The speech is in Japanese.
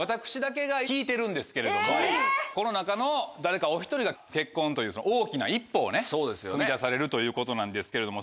この中の誰かおひとりが結婚という大きな一歩を踏み出されるということなんですけれども。